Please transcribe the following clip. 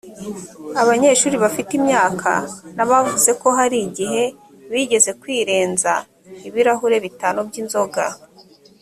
abanyeshuri bafite imyaka na bavuze ko hari igihe bigeze kwirenza ibirahuri bitanu by inzoga